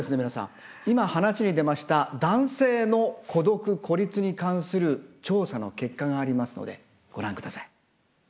皆さん今話に出ました男性の孤独・孤立に関する調査の結果がありますのでご覧ください。